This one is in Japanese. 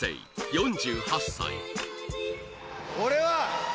俺は。